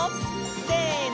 せの！